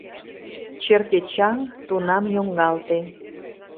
Черке чаҥ тунам йоҥгалте.